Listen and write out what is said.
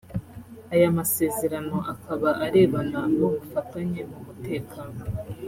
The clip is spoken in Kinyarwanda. Aya masezerano akaba arebana n’ubufatanye mu mutekano